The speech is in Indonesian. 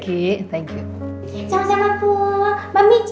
even gimana tuh ya